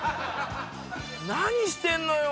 何してんのよ！